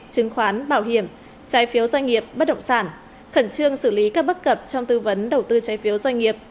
chứng khoán bảo hiểm trái phiếu doanh nghiệp bất động sản khẩn trương xử lý các bất cập trong tư vấn đầu tư trái phiếu doanh nghiệp